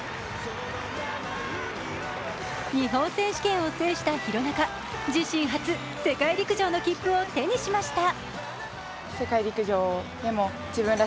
日本選手権を制した廣中、自身初、世界陸上の切符を手にしました。